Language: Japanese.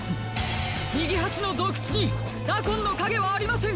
みぎはしのどうくつにダコンのかげはありません！